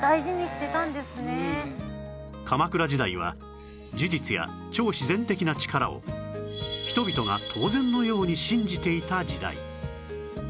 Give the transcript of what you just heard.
鎌倉時代は呪術や超自然的な力を人々が当然のように信じていた時代